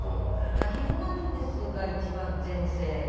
だから「ヒルナンデス！」が一番全盛。